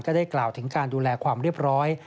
ได้กล่าวถึงการดูแลความเรียบร้อย